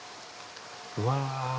うわ。